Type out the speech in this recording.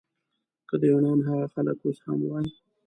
که د یونان هغه خلک اوس هم وای.